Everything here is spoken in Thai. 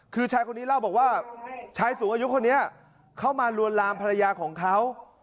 คือชายคนนี้เล่าบอกว่าชายสูงอายุคนนี้เข้ามาลวนลามภรรยาของเขา